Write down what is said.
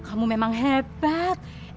kamu memang hebat